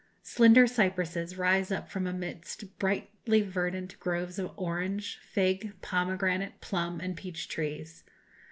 Slender cypresses rise up from amidst brightly verdant groves of orange, fig, pomegranate, plum, and peach trees.